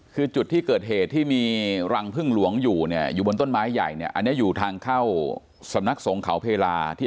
คือจุดที่เกิดเหตุที่มีรังพึ่งหลวงอยู่เนี่ยอยู่บนต้นไม้ใหญ่เนี่ยอันนี้อยู่ทางเข้าสำนักสงเขาเพลาที่